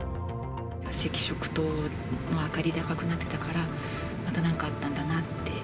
赤色灯の明かりで赤くなっていたから、また、なんかあったんだなって。